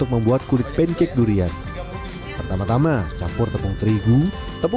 sorghum yang telah terfermentasi selama satu jam